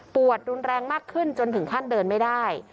รุนแรงมากขึ้นจนถึงขั้นเดินไม่ได้